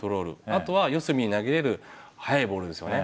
あとは四隅に投げれる速いボールですよね。